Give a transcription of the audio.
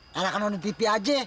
kalahkan nonton tv aja